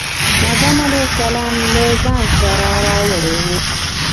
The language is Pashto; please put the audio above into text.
آدم علیه السلام له ځان سره راوړی و.